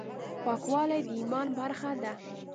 پاکوالی د ایمان برخه ده.